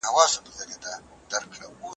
وطن ته باید د خدمت په سترګه وکتل شي.